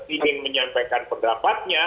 ingin menyampaikan pendapatnya